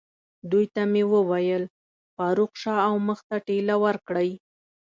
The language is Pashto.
دوی ته مې وویل: فاروق، شا او مخ ته ټېله ورکړئ.